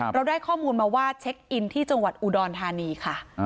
เราได้ข้อมูลมาว่าเช็คอินที่จังหวัดอุดรธานีค่ะ